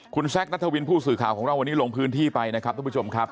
คุณแซคนัทวินผู้สื่อข่าวของเราวันนี้ลงพื้นที่ไปนะครับทุกผู้ชมครับ